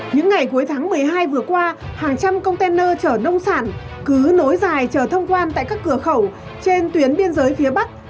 những ngày cuối tháng một mươi hai vừa qua hàng trăm container chở nông sản cứ nối dài chờ thông quan tại các cửa khẩu trên tuyến biên giới phía bắc